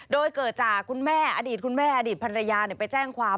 โดยเกิดจากคุณแม่อดีตคุณแม่อดีตภรรยาไปแจ้งความ